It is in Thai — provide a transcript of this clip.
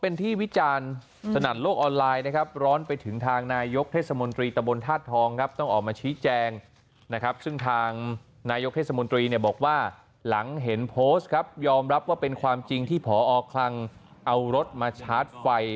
นายกเทศมนตรีเนี่ยบอกว่าหลังเห็นโพสต์ครับยอมรับว่าเป็นความจริงที่ผอคลังเอารถมาชาร์จไฟ